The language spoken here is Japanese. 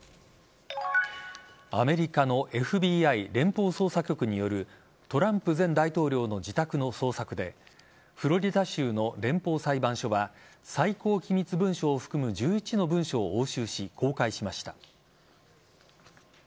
アメリカのＦＢＩ＝連邦捜査局によるトランプ前大統領の自宅の捜索でフロリダ州の連邦裁判所は最高機密文書を含む１１の文書を押収し公開しました。